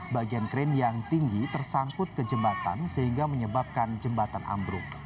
bagian krain yang tinggi tersangkut ke jembatan sehingga menyebabkan jembatan ambruk